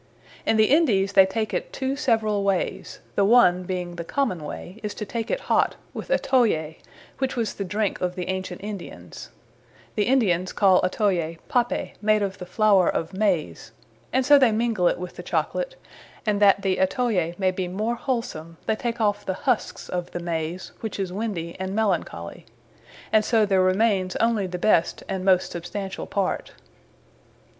In the Indies they take it two severall waies: the one, being the common way, is to take it hot, with Atolle, which was the Drinke of Ancient Indians (the Indians call Atolle pappe, made of the flower of Maiz, and so they mingle it with the Chocolate, and that the Atolle may be more wholesome, they take off the Husks of the Maiz, which is windy, and melancholy; and so there remaines onely the best and most substantiall part.)